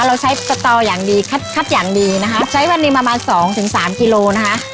เราใช้สตออย่างดีคัดคัดอย่างดีนะคะใช้วันหนึ่งประมาณสองถึงสามกิโลนะคะ